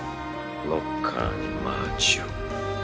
ノッカーにマーチを。